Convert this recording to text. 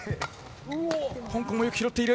香港もよく拾っている。